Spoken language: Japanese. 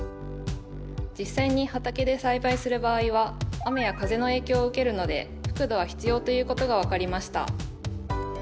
実際に畑で栽培する場合は雨や風の影響を受けるので覆土は必要ということが分かりました。